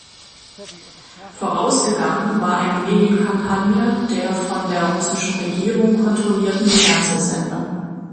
Vorausgegangen war eine Medienkampagne der von der russischen Regierung kontrollierten Fernsehsender.